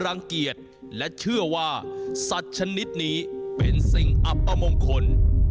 รังเกียจและเชื่อว่าสัตว์ชนิดนี้เป็นสิ่งอัปมงคล